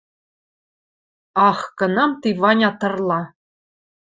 Ах, кынам ти Ваня тырла?